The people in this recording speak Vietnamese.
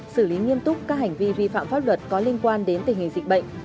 xử lý nghiêm túc các hành vi vi phạm pháp luật có liên quan đến tình hình dịch bệnh